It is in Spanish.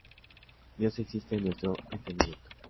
Dios existe en nuestro entendimiento.